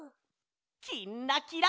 「きんらきら」。